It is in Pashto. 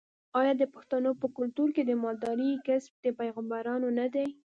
آیا د پښتنو په کلتور کې د مالدارۍ کسب د پیغمبرانو نه دی؟